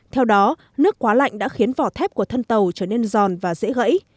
theo đó nước quá lạnh đã khiến vỏ thép của thân tàu trở nên giòn và dễ gãy